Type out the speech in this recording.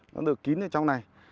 nó được kín ở trong này